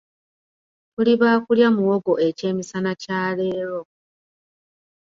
Tuli baakulya muwogo ekyemisana kya leero.